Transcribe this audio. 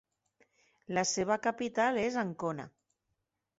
La seva capital és Ancona.